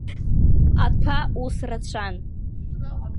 Аҭәа ус рацәан.